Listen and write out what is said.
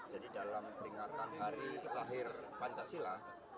jadi dalam peringatan hari lahir pancasila